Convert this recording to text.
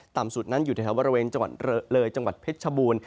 สุดนั้นอยู่แถวบริเวณจังหวัดเลยจังหวัดเพชรชบูรณ์